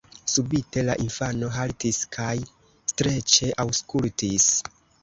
Subite la infano haltis kaj streĉe aŭskultis.